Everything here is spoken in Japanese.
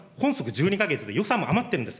１２か月で予算も余ってるんです。